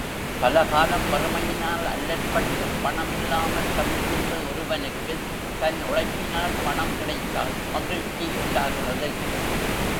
பலகாலம் வறுமையினால் அல்லற்பட்டுப் பணம் இல்லாமல் தவிக்கின்ற ஒருவனுக்குத் தன் உழைப்பினால் பணம் கிடைத்தால் மகிழ்ச்சி உண்டாகிறது.